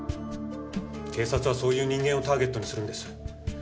警察はそういう人間をターゲットにするんです。